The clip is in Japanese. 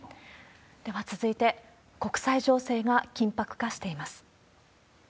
では続いて、国際情勢が緊迫化しています。